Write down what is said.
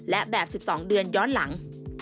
และแบบ๑๒เดือนย้อนหลัง